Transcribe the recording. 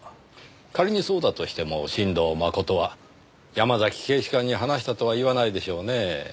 仮にそうだとしても新堂誠は山崎警視監に話したとは言わないでしょうねぇ。